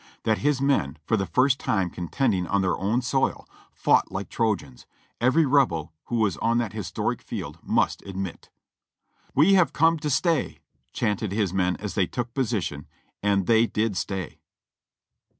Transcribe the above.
That his men, for the first time contending on their own soil, fonght hke Trojans, every Rebel who was on that historic field must admit. "We have come to stay," chanted his men as they took posi tion : and they did stay.